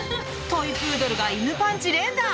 トイプードルが犬パンチ連打。